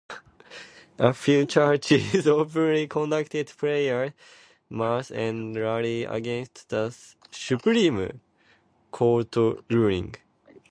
A few churches openly conducted prayer mass and rally against the Supreme Court ruling.